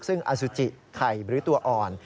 ซึ่งอสุจิไข่หรือตัวอ่อน